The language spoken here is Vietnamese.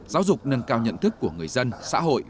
giáo dục nâng cao nhận thức của người dân xã hội